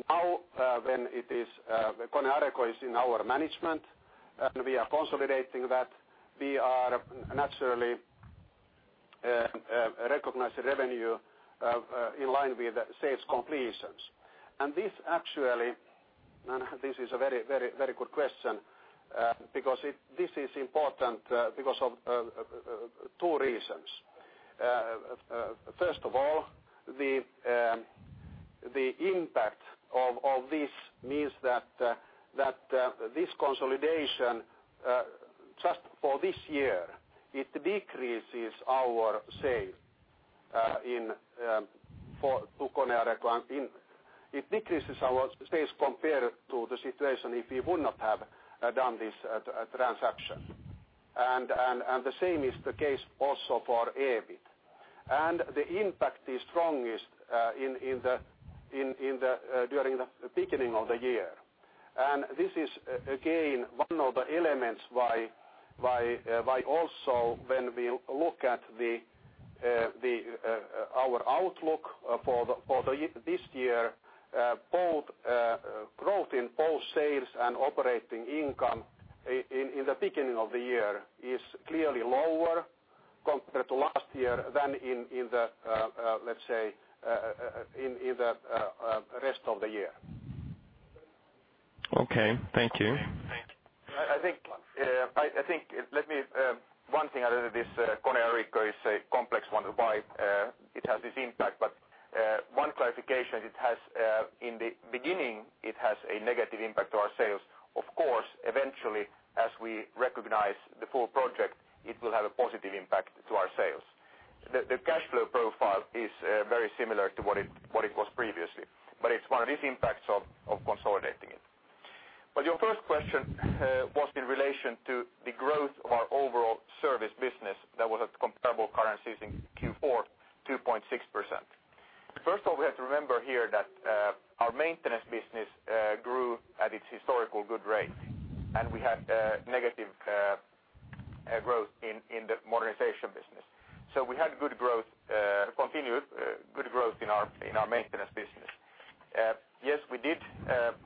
Now when KONE Areeco is in our management and we are consolidating that, we are naturally recognizing revenue in line with sales completions. This actually is a very good question because this is important because of two reasons. First of all, the impact of this means that this consolidation just for this year, it decreases our sales to KONE Areeco. It decreases our sales compared to the situation if we would not have done this transaction. The same is the case also for EBIT. The impact is strongest during the beginning of the year. This is again, one of the elements why also when we look at our outlook for this year both growth in both sales and operating income in the beginning of the year is clearly lower compared to last year than in the rest of the year. Okay, thank you. I think, one thing out of this, KONE Areeco is a complex one, why it has this impact, but one clarification, in the beginning, it has a negative impact to our sales. Of course, eventually, as we recognize the full project, it will have a positive impact to our sales. The cash flow profile is very similar to what it was previously, but it's one of these impacts of consolidating it. Your first question was in relation to the growth of our overall service business that was at comparable currencies in Q4, 2.6%. First of all, we have to remember here that our maintenance business grew at its historical good rate, and we had negative growth in the modernization business. We had continued good growth in our maintenance business. Yes, we did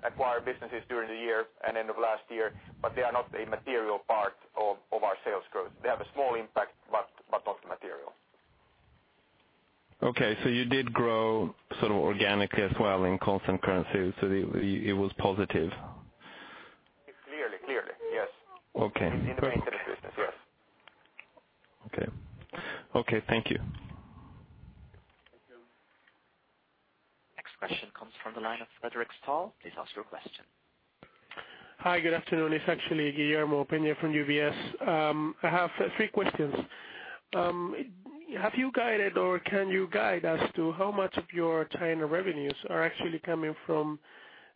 acquire businesses during the year and end of last year, but they are not a material part of our sales growth. They have a small impact, but not material. Okay. You did grow sort of organically as well in constant currency, so it was positive. Clearly, yes. Okay. In the maintenance business, yes. Okay. Thank you. Next question comes from the line of Fredrik Ståhl. Please ask your question. Hi, good afternoon. It is actually Guillermo Peigneux from UBS. I have three questions. Have you guided or can you guide us to how much of your China revenues are actually coming from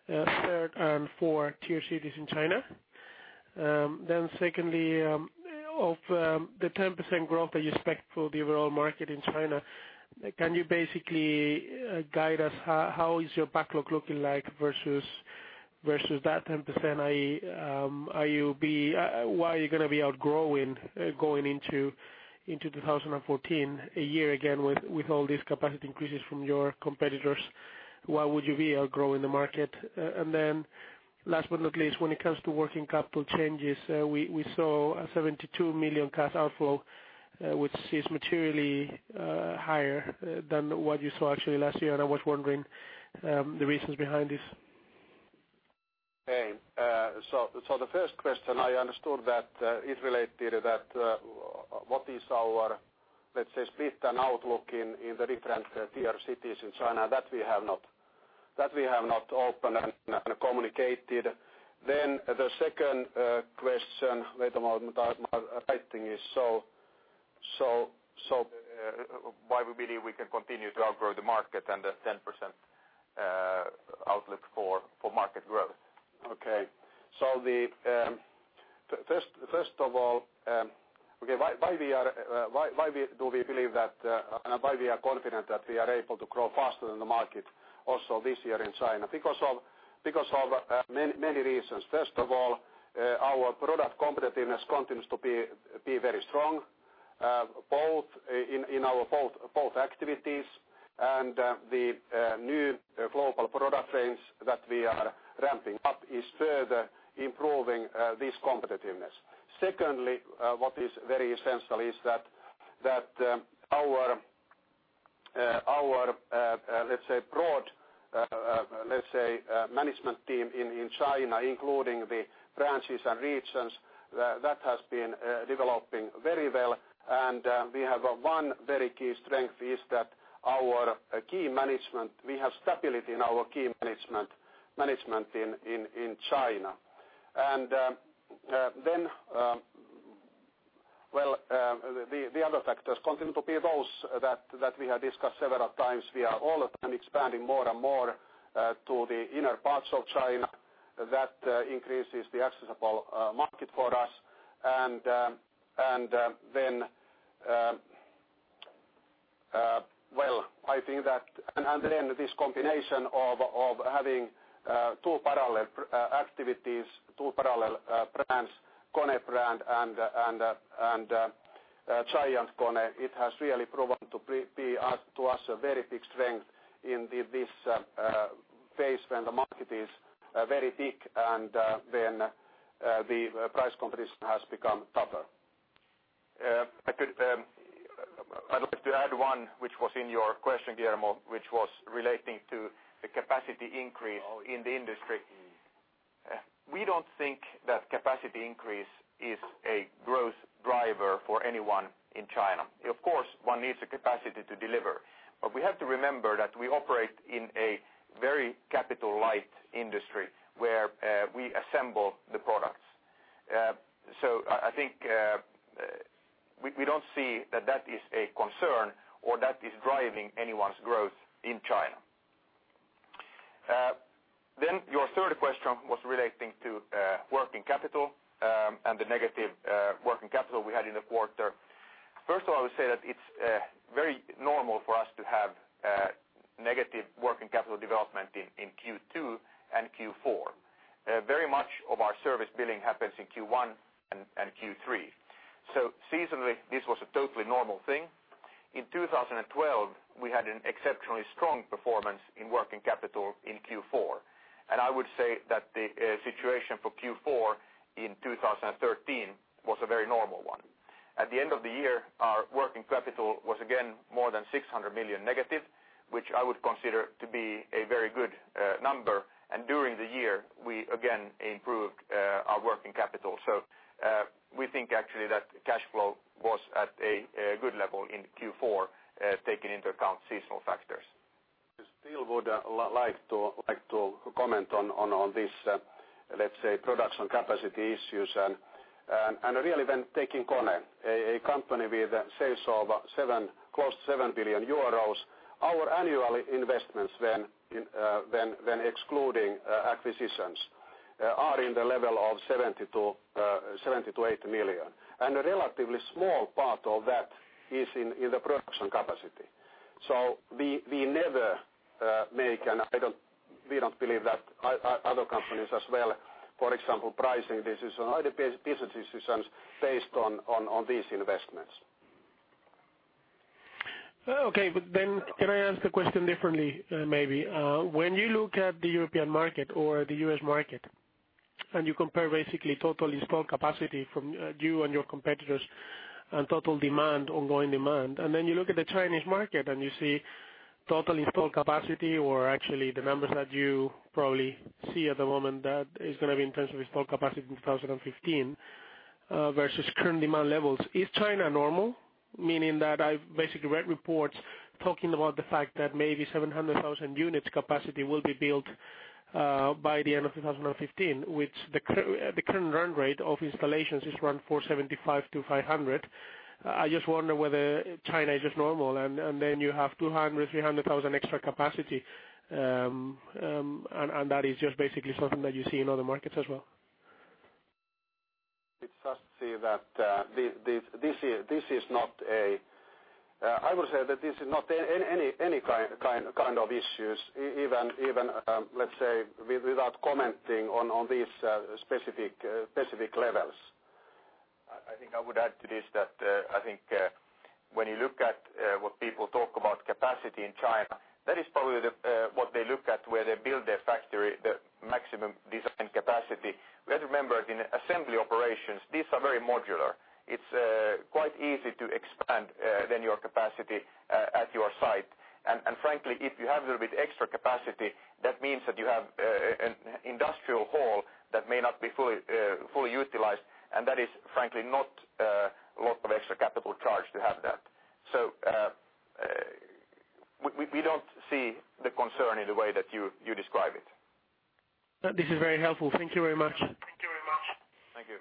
tier 3 and tier 4 cities in China? Secondly, of the 10% growth that you expect for the overall market in China, can you basically guide us how is your backlog looking like versus that 10%? Why are you going to be outgrowing going into 2014, a year again, with all these capacity increases from your competitors, why would you be outgrowing the market? Last but not least, when it comes to working capital changes, we saw a 72 million cash outflow, which is materially higher than what you saw actually last year. I was wondering the reasons behind this. The first question I understood that it related that what is our, let's say, split and outlook in the different tier cities in China that we have not opened and communicated. The second question, wait a moment. I think why we believe we can continue to outgrow the market and the 10% outlook for market growth. Okay. First of all why do we believe that, and why we are confident that we are able to grow faster than the market also this year in China, because of many reasons. First of all, our product competitiveness continues to be very strong, both in our both activities and the new global product range that we are ramping up is further improving this competitiveness. Secondly, what is very essential is that our broad management team in China, including the branches and regions, that has been developing very well and we have one very key strength is that our key management, we have stability in our key management in China. The other factors continue to be those that we have discussed several times. We are all of them expanding more and more, to the inner parts of China that increases the accessible market for us. This combination of having two parallel activities, two parallel brands, KONE brand and Giant KONE, it has really proven to us a very big strength in this phase when the market is very big and the price competition has become tougher. I would like to add one which was in your question, Guillermo, which was relating to the capacity increase in the industry. We do not think that capacity increase is a growth driver for anyone in China. Of course, one needs the capacity to deliver, but we have to remember that we operate in a very capital light industry where we assemble the products. I think we do not see that that is a concern or that is driving anyone's growth in China. Your third question was relating to working capital, and the negative working capital we had in the quarter. First of all, I would say that it is very normal for us to have negative working capital development in Q2 and Q4. Very much of our service billing happens in Q1 and Q3. Seasonally, this was a totally normal thing. In 2012, we had an exceptionally strong performance in working capital in Q4. I would say that the situation for Q4 in 2013 was a very normal one. At the end of the year, our working capital was again more than 600 million negative, which I would consider to be a very good number. During the year, we again improved our working capital. We think actually that cash flow was at a good level in Q4, taking into account seasonal factors. Still would like to comment on this, let's say, production capacity issues and really when taking KONE, a company with sales of close to 7 billion euros, our annual investments when excluding acquisitions are in the level of 70 million to 80 million. A relatively small part of that is in the production capacity. We never make, and we don't believe that other companies as well, for example, pricing decisions or other business decisions based on these investments. Can I ask the question differently, maybe? When you look at the European market or the U.S. market, and you compare basically total installed capacity from you and your competitors and total demand, ongoing demand. You look at the Chinese market and you see total installed capacity or actually the numbers that you probably see at the moment that is going to be in terms of installed capacity in 2015 versus current demand levels. Is China normal? Meaning that I've basically read reports talking about the fact that maybe 700,000 units capacity will be built by the end of 2015, which the current run rate of installations is around 475,000 to 500,000. I just wonder whether China is just normal and then you have 200,000, 300,000 extra capacity and that is just basically something that you see in other markets as well. I would say that this is not any kind of issues even, let's say, without commenting on these specific levels. I think I would add to this that I think when you look at what people talk about capacity in China, that is probably what they look at where they build their factory, the maximum design capacity. Let's remember in assembly operations, these are very modular. It's quite easy to expand then your capacity at your site. Frankly, if you have a little bit extra capacity, that means that you have an industrial hall that may not be fully utilized and that is frankly not a lot of extra capital charge to have that. We don't see the concern in the way that you describe it. This is very helpful. Thank you very much. Thank you very much. Thank you.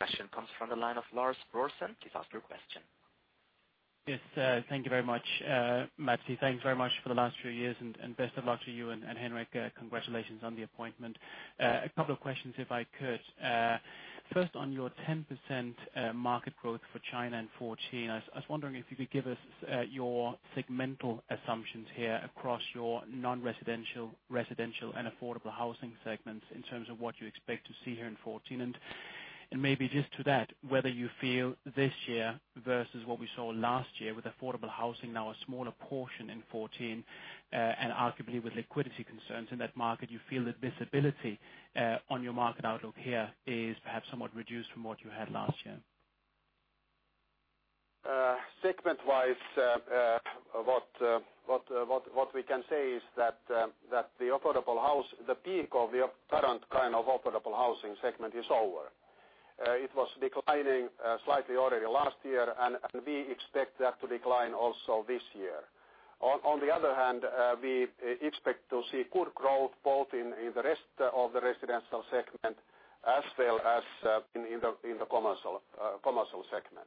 Question comes from the line of Lars Brorson. Please ask your question. Yes, thank you very much, Mattti. Thanks very much for the last few years and best of luck to you and Henrik. Congratulations on the appointment. A couple of questions if I could. First on your 10% market growth for China in 2014. I was wondering if you could give us your segmental assumptions here across your non-residential, residential, and affordable housing segments in terms of what you expect to see here in 2014. Maybe just to that, whether you feel this year versus what we saw last year with affordable housing now a smaller portion in 2014 and arguably with liquidity concerns in that market, you feel that visibility on your market outlook here is perhaps somewhat reduced from what you had last year. Segment-wise, what we can say is that the peak of the current kind of affordable housing segment is over. It was declining slightly already last year and we expect that to decline also this year. On the other hand, we expect to see good growth both in the rest of the residential segment as well as in the commercial segment.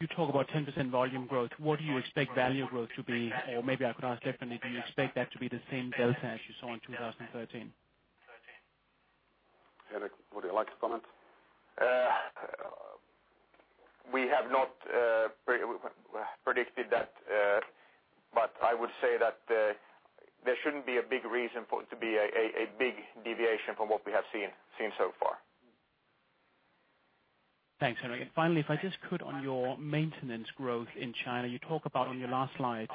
You talk about 10% volume growth. What do you expect value growth to be? Maybe I could ask differently. Do you expect that to be the same delta as you saw in 2013? Henrik, would you like to comment? We have not predicted that but I would say that there shouldn't be a big reason for it to be a big deviation from what we have seen so far. Thanks, Henrik. Finally, if I just could on your maintenance growth in China. You talk about on your last slide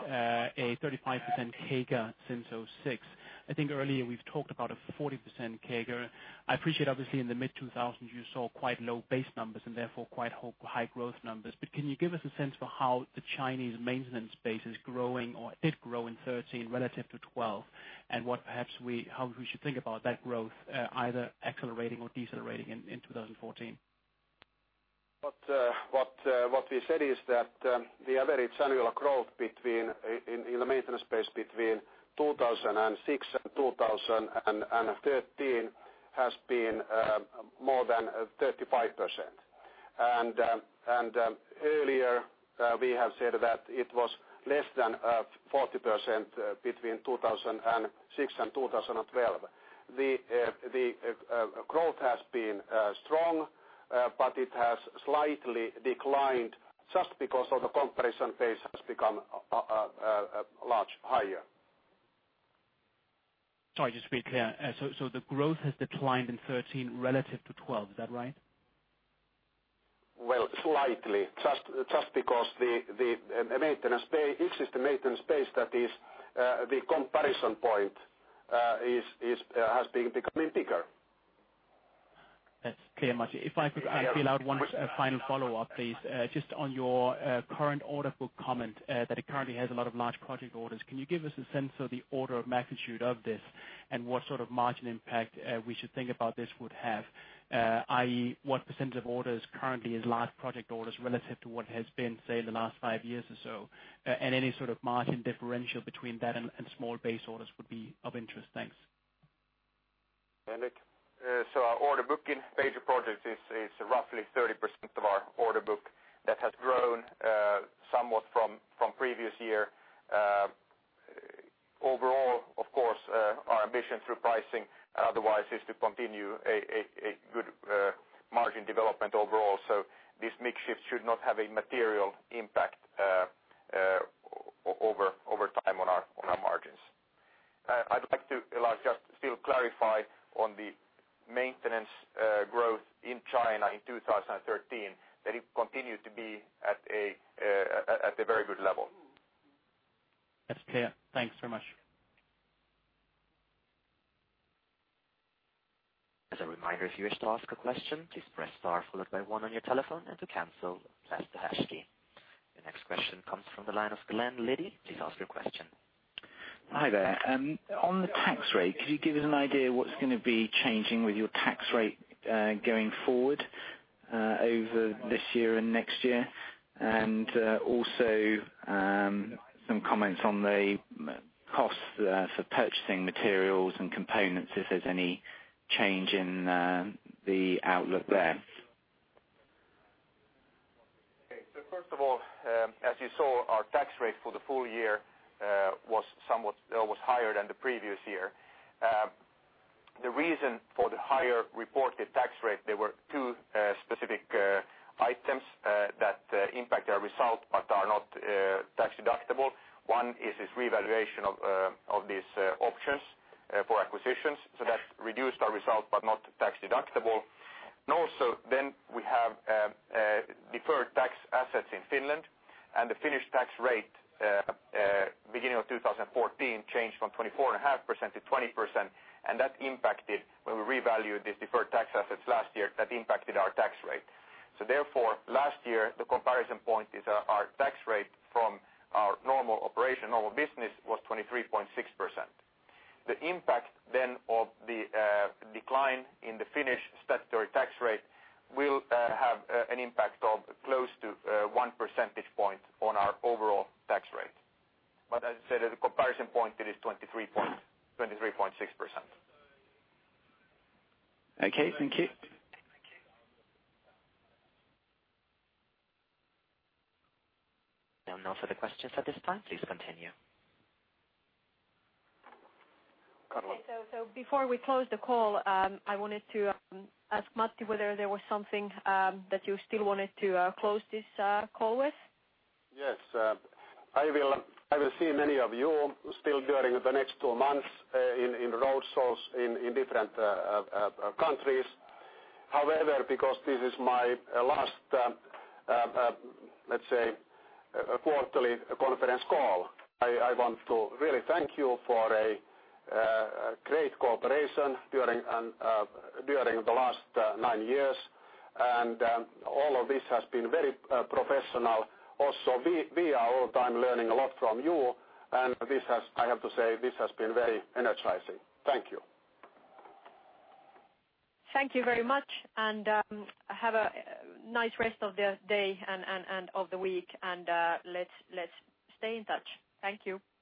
a 35% CAGR since 2006. I think earlier we've talked about a 40% CAGR. I appreciate obviously in the mid-2000s you saw quite low base numbers and therefore quite high growth numbers. Can you give us a sense for how the Chinese maintenance base is growing or did grow in 2013 relative to 2012 and how we should think about that growth either accelerating or decelerating in 2014? What we said is that the average annual growth in the maintenance base between 2006 and 2013 has been more than 35%. Earlier we have said that it was less than 40% between 2006 and 2012. The growth has been strong but it has slightly declined just because of the comparison base has become much higher. Sorry, just to be clear. The growth has declined in 2013 relative to 2012, is that right? Well, slightly. Just because it's just the maintenance base that is the comparison point has been becoming bigger. That's clear, Matti. If I could fill out one final follow-up, please. Just on your current order book comment, that it currently has a lot of large project orders. Can you give us a sense of the order of magnitude of this, and what sort of margin impact we should think about this would have? I.e., what percentage of orders currently is large project orders relative to what has been, say, in the last five years or so? Any sort of margin differential between that and small base orders would be of interest. Thanks. Yeah, Henrik. Our order book in major projects is roughly 30% of our order book. That has grown somewhat from previous year. Overall, of course, our ambition through pricing otherwise is to continue a good margin development overall. This mix shift should not have a material impact over time on our margins. I'd like to, Lars, just still clarify on the maintenance growth in China in 2013, that it continued to be at a very good level. That's clear. Thanks very much. As a reminder, if you wish to ask a question, please press star followed by one on your telephone, and to cancel press the hash key. The next question comes from the line of Glenn Liddy. Please ask your question. Hi there. On the tax rate, could you give us an idea what's going to be changing with your tax rate going forward over this year and next year? Also some comments on the costs for purchasing materials and components, if there's any change in the outlook there. First of all, as you saw, our tax rate for the full year was higher than the previous year. The reason for the higher reported tax rate, there were two specific items that impact our result but are not tax deductible. One is this revaluation of these options for acquisitions. That reduced our result but not tax deductible. We have deferred tax assets in Finland and the Finnish tax rate, beginning of 2014, changed from 24.5% to 20%. When we revalued these deferred tax assets last year, that impacted our tax rate. Therefore, last year, the comparison point is our tax rate from our normal operation, normal business, was 23.6%. The impact then of the decline in the Finnish statutory tax rate will have an impact of close to one percentage point on our overall tax rate. As I said, as a comparison point, it is 23.6%. Okay. Thank you. There are no further questions at this time. Please continue. Karla. Okay. Before we close the call, I wanted to ask Matti whether there was something that you still wanted to close this call with? Yes. I will see many of you still during the next two months in road shows in different countries. However, because this is my last, let's say, quarterly conference call, I want to really thank you for a great cooperation during the last nine years. All of this has been very professional. We are all the time learning a lot from you, and I have to say, this has been very energizing. Thank you. Thank you very much. Have a nice rest of the day and of the week. Let's stay in touch. Thank you.